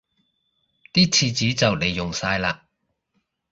啲廁紙就黎用晒喇